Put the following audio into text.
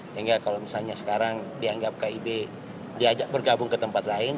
sehingga kalau misalnya sekarang dianggap kib diajak bergabung ke tempat lain